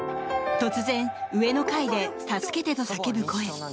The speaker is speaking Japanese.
突然、上の階で助けてと叫ぶ声。